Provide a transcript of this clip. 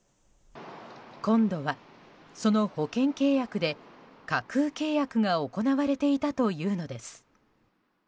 今度は、その保険契約で架空契約が行われていたというのです。